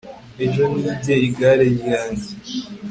ejo nibye igare ryanjye